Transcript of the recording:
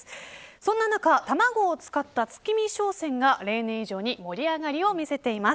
そんな中、卵を使った月見商戦が例年以上に盛り上がりを見せています。